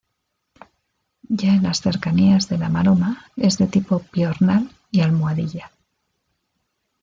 Ya en las cercanías de la Maroma es de tipo piornal y almohadilla.